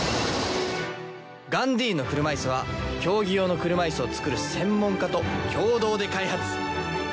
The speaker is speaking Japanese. ガンディーンの車いすは競技用の車いすを作る専門家と共同で開発。